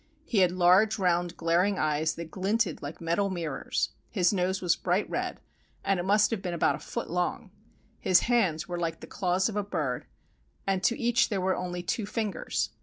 He had large round glaring eyes that glinted like metal mir rors; his nose was bright red, and it must have been about a foot long ; his hands were like the claws of a bird, and to each there were only two fingers.